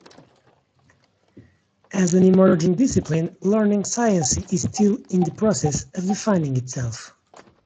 As an emerging discipline, learning science is still in the process of defining itself.